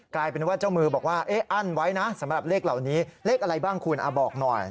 กลายเป็นว่าเจ้ามือบอกว่าเอ๊ะอั้นไว้นะสำหรับเลขเหล่านี้เลขอะไรบ้างคุณบอกหน่อย